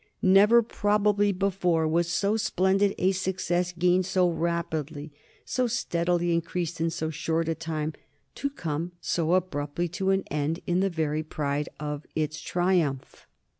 Never probably before was so splendid a success gained so rapidly, so steadily increased in so short a time, to come so abruptly to an end in the very pride of its triumph.